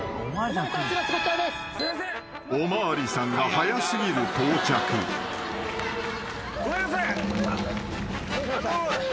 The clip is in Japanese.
［お巡りさんが早過ぎる到着］ごめんなさい。